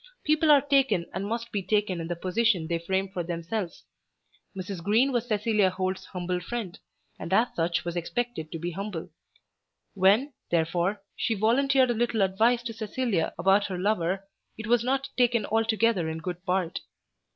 People are taken and must be taken in the position they frame for themselves. Mrs. Green was Cecilia Holt's humble friend, and as such was expected to be humble. When, therefore, she volunteered a little advice to Cecilia about her lover, it was not taken altogether in good part.